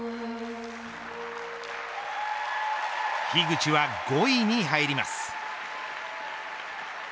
樋口は５位に入ります。